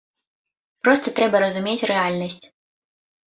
Проста трэба разумець рэальнасць.